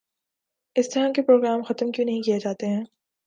اس طرح کے پروگرام ختم کیوں نہیں کیے جاتے ہیں